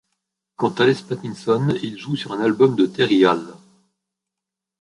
Quant à Les Pattinson il joue sur un album de Terry Hall.